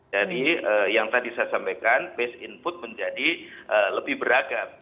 jadi yang tadi saya sampaikan base input menjadi lebih beragam